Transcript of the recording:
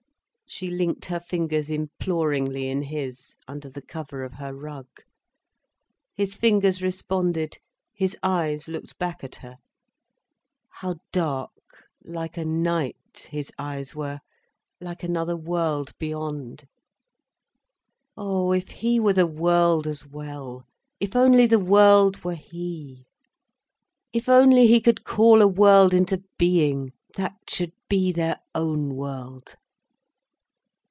She linked her fingers imploringly in his, under the cover of her rug. His fingers responded, his eyes looked back at her. How dark, like a night, his eyes were, like another world beyond! Oh, if he were the world as well, if only the world were he! If only he could call a world into being, that should be their own world!